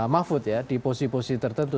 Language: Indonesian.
mahfud ya di posisi posisi tertentu